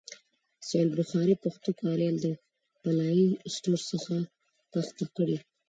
صحیح البخاري پښتو کاریال د پلای سټور څخه کښته کړئ.